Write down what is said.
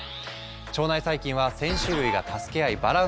腸内細菌は１，０００種類が助け合いバランスをとっている。